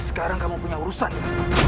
sekarang kamu punya urusan itu